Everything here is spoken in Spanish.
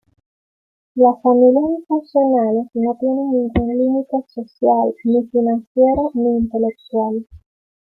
Las familias disfuncionales no tienen ningún límite social, ni financiero, ni intelectual.